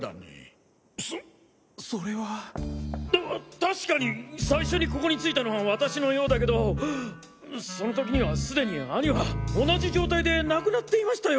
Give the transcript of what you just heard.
確かに最初にここに着いたのは私のようだけどその時にはすでに兄は同じ状態で亡くなっていましたよ。